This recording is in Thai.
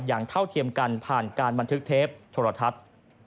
เท่าเทียมกันผ่านการบันทึกเทปโทรทัศน์